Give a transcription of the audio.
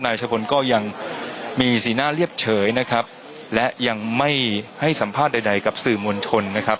ชะพลก็ยังมีสีหน้าเรียบเฉยนะครับและยังไม่ให้สัมภาษณ์ใดใดกับสื่อมวลชนนะครับ